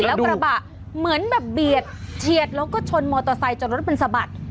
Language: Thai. แล้วกระบะเหมือนแบบเบียดเฉียดแล้วก็ชนมอเตอร์ไซค์จนรถมันสะบัด